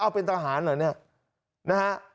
เอาเป็นทหารเหรอเนี่ยนะฮะ